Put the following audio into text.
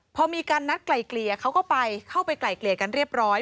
พอมีการนัดไกลเกลี่ยเขาก็ไปเข้าไปไกลเกลี่ยกันเรียบร้อย